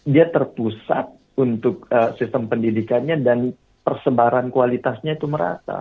dia terpusat untuk sistem pendidikannya dan persebaran kualitasnya itu merata